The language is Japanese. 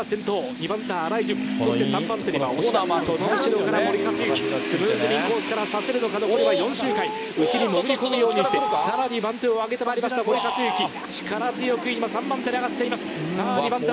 ２番手、新井淳、そして３番手には外から森且行、スムーズにコースからさすれば４周回、内に潜り込むようにしてさらに番手を上げてまいりました、森且行、力強く今、３番手に上がっています。